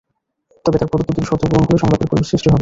তবে তাঁর প্রদত্ত দুটি শর্ত পূরণ হলে সংলাপের পরিবেশ সৃষ্টি হবে।